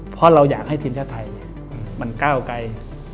เพราะเราอยากให้ทีมชาติไทยมันก้าวไกล